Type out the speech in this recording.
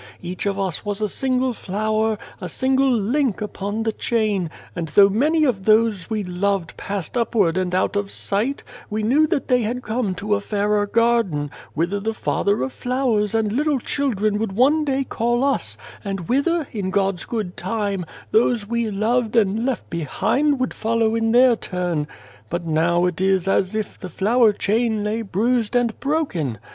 Each of us was a single flower, a single link, upon the chain ; and though many of those we loved passed upward and out of sight, we knew that they had come to a fairer garden, whither the Father of flowers and little children would one day call 280 Without a Child us, and whither, in God's good time, those we loved and left behind would follow in their turn. But now it is as if the flower chain lay bruised and broken.